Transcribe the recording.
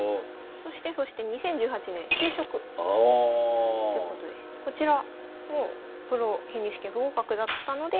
そしてそして２０１８年就職。ということでこちらもうプロ編入試験不合格だったので諦めて。